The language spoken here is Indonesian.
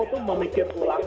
itu memikirkan ulang